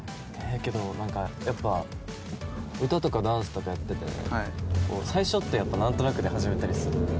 けど何かやっぱ歌とかダンスとかやってて最初って何となくで始めたり。